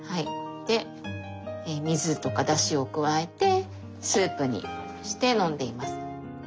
で水とかだしを加えてスープにして飲んでいます。